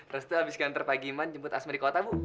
restu habis ganteng pak giman jemput asma di kota bu